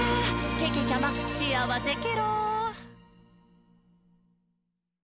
けけちゃま、しあわせケロ！」